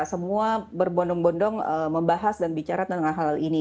semua berbondong bondong membahas dan bicara tentang hal ini